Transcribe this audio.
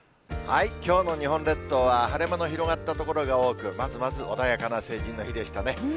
きょうの日本列島は晴れ間の広がった所が多く、まずまず穏やかな成人の日でしたね。